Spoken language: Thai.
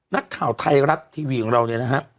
นักข่าวไทยรัฐทีวีของเราเนี่ยนะฮะ